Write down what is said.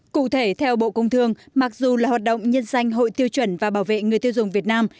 cụ thể theo bộ công thương mặc dù là hoạt động nhân danh hội tiêu chuẩn và bảo vệ người tiêu dùng việt nam